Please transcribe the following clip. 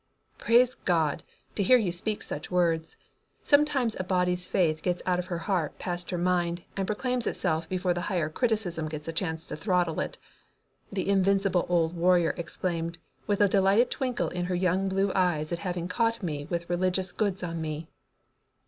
"Praise God! to hear you speak such words. Sometimes a body's faith gets out of her heart past her mind and proclaims itself before the higher criticism gets a chance to throttle it," the invincible old warrior exclaimed with a delighted twinkle in her young blue eyes at having caught me with religious goods on me.